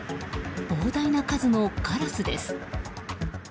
膨大な数のカラスです。